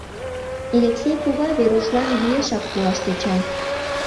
Элексей кува Верушлан виешак пуаш тӧча.